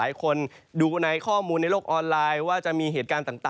และนี่คือสิ่งที่ต้องย้ำเตือนกันหน่อยนะครับหลายคนดูในข้อมูลในโลกออนไลน์ว่าจะมีเหตุการณ์ต่างเกิดขึ้น